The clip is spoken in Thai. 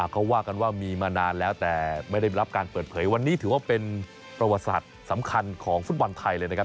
เขาว่ากันว่ามีมานานแล้วแต่ไม่ได้รับการเปิดเผยวันนี้ถือว่าเป็นประวัติศาสตร์สำคัญของฟุตบอลไทยเลยนะครับ